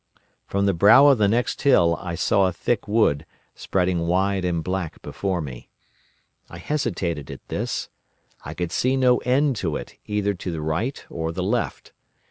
"From the brow of the next hill I saw a thick wood spreading wide and black before me. I hesitated at this. I could see no end to it, either to the right or the left.